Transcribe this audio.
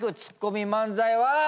ツッコミ漫才は。